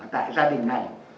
tại gia đình này